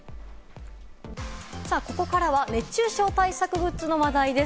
さあ、ここからは熱中症対策グッズの話題です。